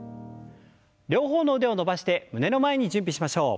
両方の腕を伸ばして胸の前に準備しましょう。